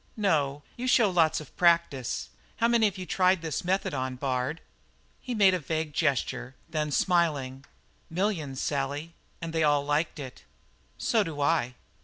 "No, you show lots of practice. How many have you tried this method on, Bard?" He made a vague gesture and then, smiling: "Millions, Sally, and they all liked it." "So do I."